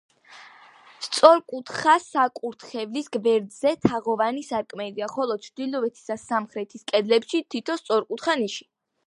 სწორკუთხა საკურთხევლის გვერდზე თაღოვანი სარკმელია, ხოლო ჩრდილოეთის და სამხრეთის კედლებში თითო სწორკუთხა ნიში.